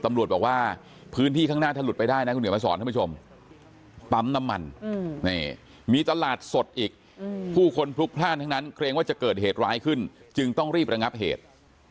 ตำรวจบอกว่าพื้นที่ข้างหน้าถ้าหลุดไปได้นะคุณเดี๋ยวมาสอนท่านผู้ชมปั๊มน้ำมันมีตลาดสดอีกผู้คนพลุกพลาดทั้งนั้นเกรงว่าจะเกิดเหตุร้ายขึ้นจึงต้องรีบระงับเหตุ